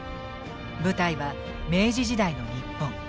舞台は明治時代の日本。